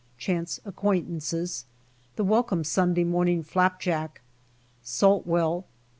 CHANCE ACQUAINTANCES. — THE WELCOME SUNDAY MORNING FLAP JACK. — SALT WELL.